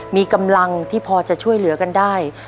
มีกำลังที่พอจะช่วยเหลือกันได้